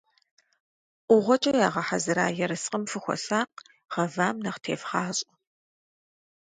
ӀугъуэкӀэ ягъэхьэзыра ерыскъым фыхуэсакъ, гъэвам нэхъ тевгъащӀэ.